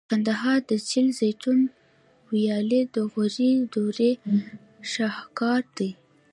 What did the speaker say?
د کندهار د چل زینو ویالې د غوري دورې شاهکار دي